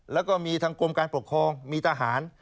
แล้วก็มีทางกรมการปกครองมีทหาร